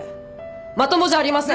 まともじゃありません！